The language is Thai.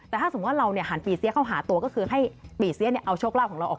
แต่ถ้าเราหันปีเซี๊ยหาตัวให้ปีเซี๊ยเอาโชคลาภของเราออกไป